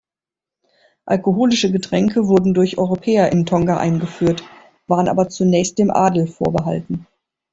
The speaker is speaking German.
Alkoholische Getränke wurden durch Europäer in Tonga eingeführt, waren aber zunächst dem Adel vorbehalten.